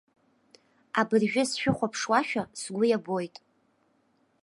Абыржәы сшәыхәаԥшуашәа сгәы иабоит.